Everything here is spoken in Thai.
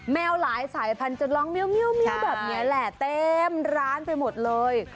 หลายสายพันธุจนร้องเมียวแบบนี้แหละเต็มร้านไปหมดเลย